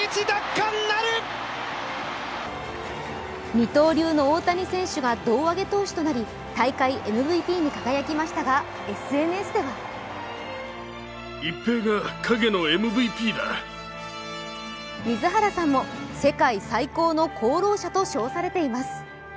二刀流の大谷選手が胴上げ投手となり大会ＭＶＰに輝きましたが、ＳＮＳでは水原さんも世界最高の功労者と称されています。